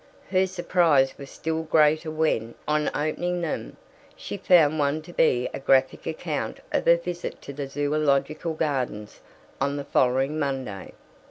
Her surprise was still greater when, on opening them, she found one to be a graphic account of a visit to the Zoological Gardens on the following Monday.